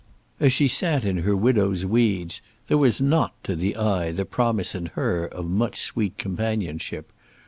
As she sat in her widow's weeds, there was not, to the eye, the promise in her of much sweet companionship.